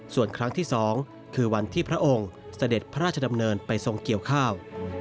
ส่วนครั้งที่๒คือวันที่พระองค์เสด็จพระราชดำเนินไปทรงเกี่ยวข้าว